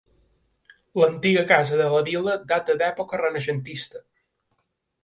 L'antiga casa de la Vila data d'època renaixentista.